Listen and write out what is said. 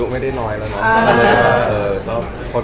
ไม่มีเลยครับ